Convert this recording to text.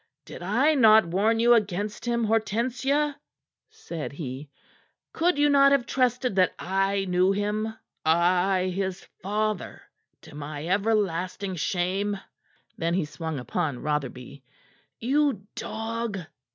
"Did I not warn you against him, Hortensia?" said he. "Could you not have trusted that I knew him I, his father, to my everlasting shame?" Then he swung upon Rotherby. "You dog!"